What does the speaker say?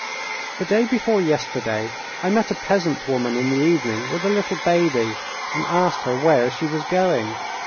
The day before yesterday, I met a peasant woman in the evening with a little baby, and asked her where she was going.